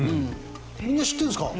みんな知ってるんですか？